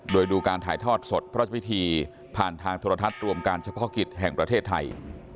โดยดูการถ่ายทอดสดพระราชพิธีผ่านทางโทรทัศน์รวมการเฉพาะกิจแห่งประเทศไทย